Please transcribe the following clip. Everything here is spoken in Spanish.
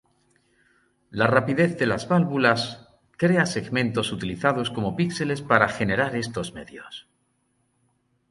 La rapidez de las válvulas crea segmentos utilizados como pixeles para generar estos medios.